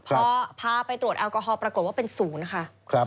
เพราะพาไปตรวจแอลกอฮอล์ปรากฏว่าเป็น๐ค่ะ